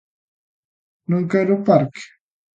¿Non quere o parque?